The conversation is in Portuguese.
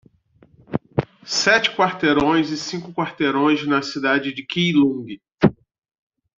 Sete quarteirões e cinco quarteirões na cidade de Keelung